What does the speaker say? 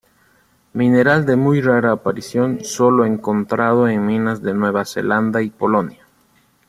Mineral de muy rara aparición, solo encontrado en minas de Nueva Zelanda y Polonia.